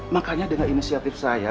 makanya dengan inisiatif saya